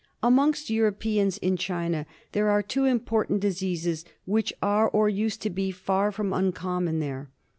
Amongst Europeans in China there are two impor tant diseases which are, or used to be, far from uncommon there.